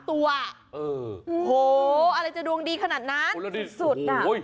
โธโฮอะไรจะดวงดีขนาดนั้นจริงสุด